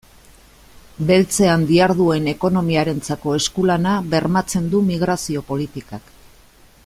Beltzean diharduen ekonomiarentzako esku-lana bermatzen du migrazio politikak.